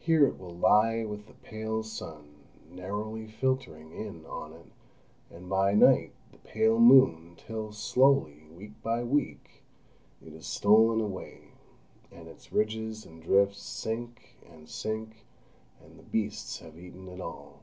Here it will lie with the pale sun narrowly filtering in on it, and by night the pale moon, till slowly, week by week, it is stolen away, and its ridges and drifts sink and sink, and the beasts have eaten it all....